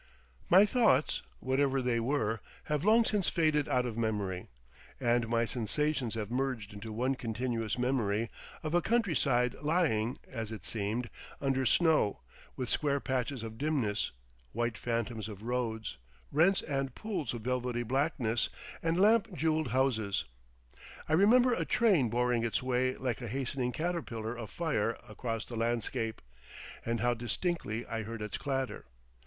My thoughts, whatever they were, have long since faded out of memory, and my sensations have merged into one continuous memory of an countryside lying, as it seemed, under snow, with square patches of dimness, white phantoms of roads, rents and pools of velvety blackness, and lamp jewelled houses. I remember a train boring its way like a hastening caterpillar of fire across the landscape, and how distinctly I heard its clatter.